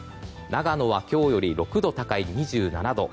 長野は今日より６度高い２７度。